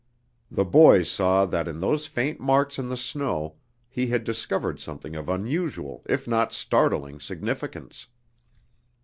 The boys saw that in those faint marks in the snow he had discovered something of unusual if not startling significance.